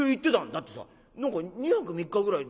「だってさ何か２泊３日ぐらい。